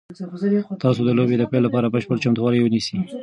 تاسو د لوبې د پیل لپاره بشپړ چمتووالی ونیسئ.